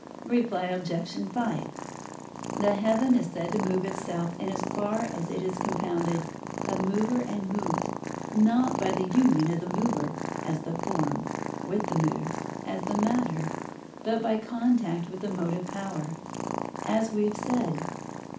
Reply Obj. 5: The heaven is said to move itself in as far as it is compounded of mover and moved; not by the union of the mover, as the form, with the moved, as the matter, but by contact with the motive power, as we have said.